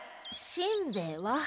しんべヱは？